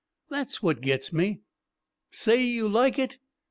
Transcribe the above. That's what gets me! Say you like it?